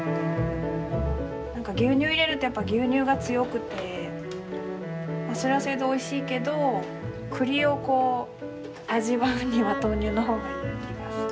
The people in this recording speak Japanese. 何か牛乳入れるとやっぱ牛乳が強くてそれはそれでおいしいけど栗をこう味わうには豆乳のほうがいい気がする。